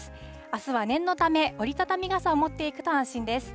あすは念のため、折り畳み傘を持っていくと安心です。